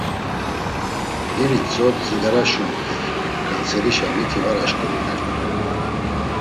İritzo dzigara şumt̆ey, ǩanserişa miti var aşǩurinert̆u.